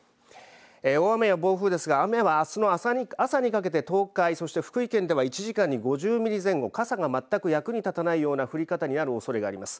大雨や暴風ですが、雨はあすの朝にかけて、東海、そして福井県では１時間に５０ミリ前後、傘が全く役に立たないような降り方になるおそれがあります。